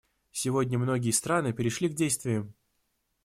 Сегодня многие страны перешли к действиям.